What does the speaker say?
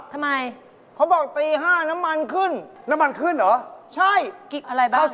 ข้าวสารขึ้นไหม